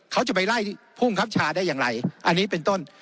เขาจะไปไล่ภูมิครับชาได้อย่างไรอันนี้เป็นต้น